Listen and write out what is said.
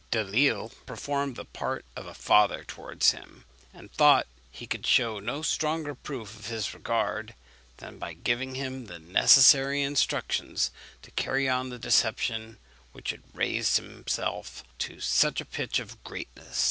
Delisle performed the part of a father towards him, and thought he could shew no stronger proof of his regard, than by giving him the necessary instructions to carry on the deception which had raised himself to such a pitch of greatness.